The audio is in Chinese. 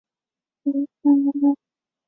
鄣城村以其特产千层饼而闻名。